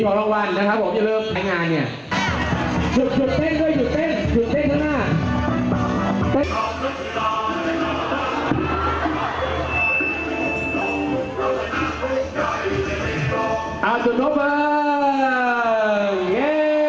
ขอร้องวัลนะครับผมจะเริ่มแข่งงานเนี้ยหยุดหยุดเต้นด้วยหยุดเต้นหยุดเต้นเท่านั้นฮะ